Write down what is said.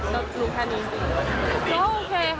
ก็รู้แค่นี้สิ